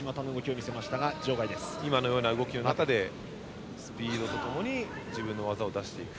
今のような動きの中でスピードとともに自分の技を出していく。